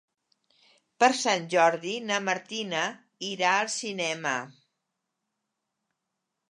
Per Sant Jordi na Martina irà al cinema.